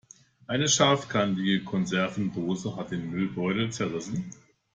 Eine scharfkantige Konservendose hat den Müllbeutel zerrissen.